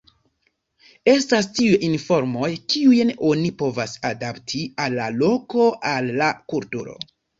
Estas tiuj informoj, kiujn oni povas adapti al la loko, al la kulturo.